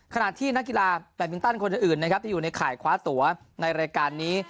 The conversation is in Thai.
ขณะที่นักกีฬาแบตมินตันคนอื่นนะครับที่อยู่ในข่ายคว้าตัวในรายการนี้